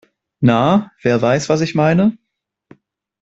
Na, wer weiß, was ich meine?